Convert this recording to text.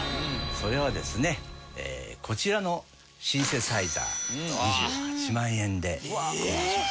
それはですねこちらのシンセサイザー２８万円で購入しました。